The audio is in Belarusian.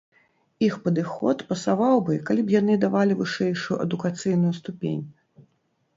Іх падыход пасаваў бы, калі б яны давалі вышэйшую адукацыйную ступень.